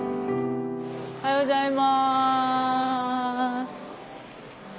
おはようございます。